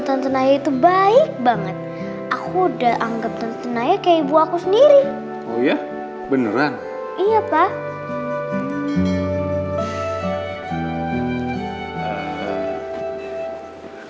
tante naya itu baik banget aku udah anggap tante naya kayak ibu aku sendiri oh ya beneran iya pak